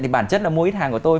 thì bản chất là mua ít hàng của tôi